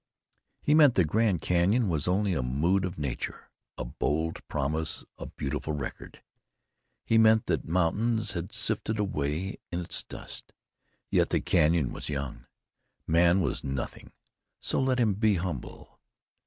He meant the Grand Canyon was only a mood of nature, a bold promise, a beautiful record. He meant that mountains had sifted away in its dust, yet the canyon was young. Man was nothing, so let him be humble.